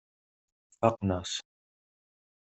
Faqen-as.